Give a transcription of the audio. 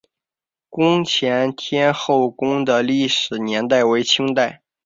宫前天后宫的历史年代为清代。